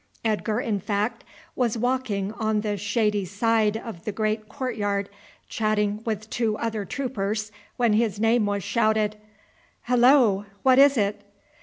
Edgar, in fact, was walking on the shady side of the great court yard chatting with two other troopers when his name was shouted. "Hullo! What is it?"